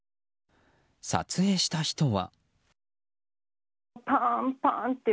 撮影した人は。